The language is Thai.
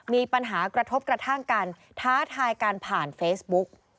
มีปัญหากระทบกระทั่งกันท้าทายกันผ่านเฟซบุ๊ก